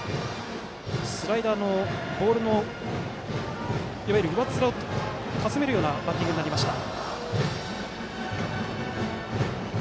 スライダーのボールのいわゆる、上っ面をかすめるようなバッティングでした。